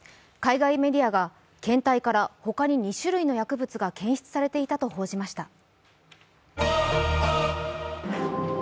海外メディアが検体から他に２種類の薬物が検出されていたと報じました。